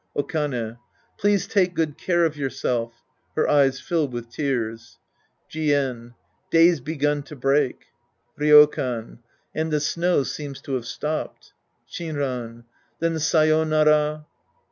Okane. Please take good care of yourself {Her eyes fill ivith tears.) Jien. Day's begun to break. Ryo can. And the snow seems to have stopped. Shinran. Then say5nara.